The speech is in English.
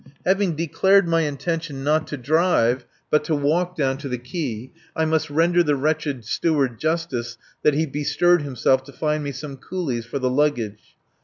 Having declared my intention not to drive but to walk down to the quay, I must render the wretched Steward justice that he bestirred himself to find me some coolies for the luggage.